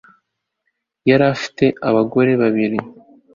yari afite abagore babiri